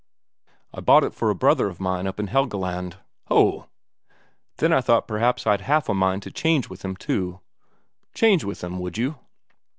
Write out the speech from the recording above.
"I bought it for a brother of mine up in Helgeland." "Ho!" "Then I thought perhaps I'd half a mind to change with him, too." "Change with him would you?"